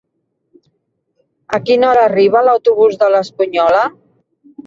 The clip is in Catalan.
A quina hora arriba l'autobús de l'Espunyola?